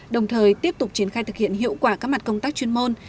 đồng thời tiếp tục triển khai thực hiện hiệu quả các mặt công tác chuyên môn